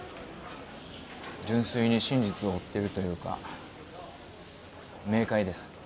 純粋に真実を追ってるというか明解です。